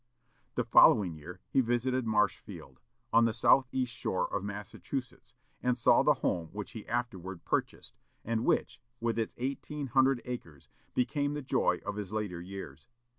The following year he visited Marshfield, on the south east shore of Massachusetts, and saw the home which he afterward purchased, and which, with its eighteen hundred acres, became the joy of his later years.